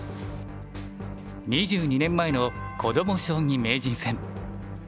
２２年前のこども将棋名人戦。